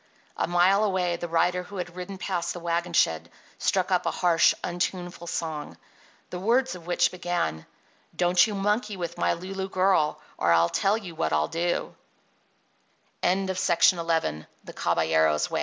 A mile away the rider who had ridden past the wagon shed struck up a harsh, untuneful song, the words of which began: Don't you monkey with my Lulu girl Or I'll tell you what I'll do— XII T